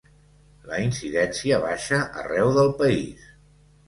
La incidència baixa arreu del país.